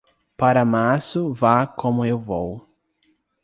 Para março, vá como eu vou.